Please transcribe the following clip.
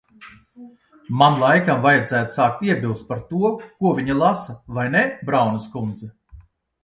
Man laikam vajadzētu sākt iebilst par to, ko viņa lasa, vai ne, Braunas kundze?